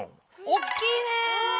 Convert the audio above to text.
おっきいね。